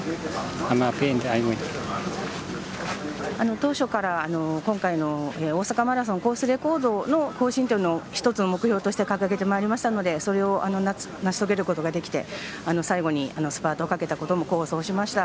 当初から今回の大阪マラソンコースレコードの更新を１つの目標として掲げてまいりましたのでそれを成し遂げることができて最後にスパートをかけたことも功を奏しました。